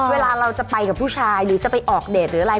เวลาเราจะไปกับผู้ชายหรือจะไปออกเดทหรืออะไร